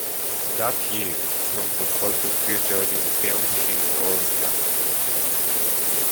That year the song was also featured in the film "She's All That".